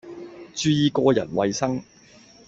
注意個人衛生